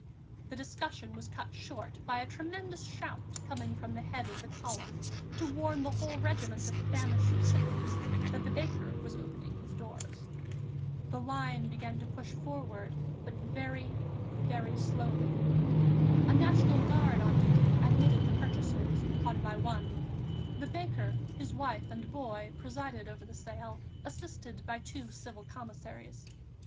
The discussion was cut short by a tremendous shout coming from the head of the column to warn the whole regiment of famished citizens that the baker was opening his doors. The line began to push forward, but very, very slowly. A National Guard on duty admitted the purchasers one by one. The baker, his wife and boy presided over the sale, assisted by two Civil Commissaries.